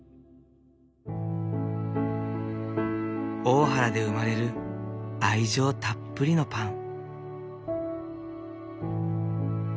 大原で生まれる愛情たっぷりのパン。